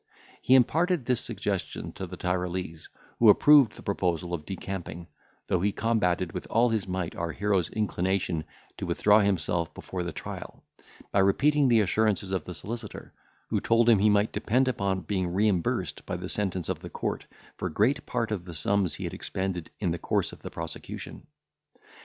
He imparted this suggestion to the Tyrolese, who approved the proposal of decamping, though he combated with all his might our hero's inclination to withdraw himself before the trial, by repeating the assurances of the solicitor, who told him he might depend upon being reimbursed by the sentence of the court for great part of the sums he had expended in the course of the prosecution.